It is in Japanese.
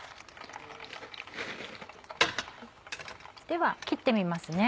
では切ってみますね。